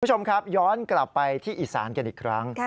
คุณผู้ชมครับย้อนกลับไปที่อีสานกันอีกครั้ง